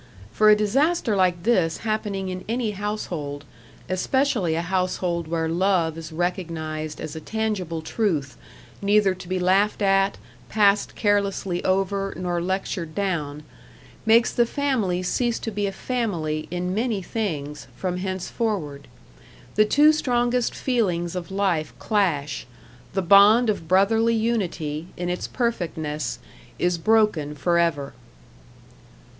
For a disaster like this happening in any household especially a household where love is recognized as a tangible truth, neither to be laughed at, passed carelessly over, nor lectured down makes the family cease to be a family, in many things, from henceforward. The two strongest feelings of life clash; the bond of brotherly unity, in its perfectness, is broken for ever.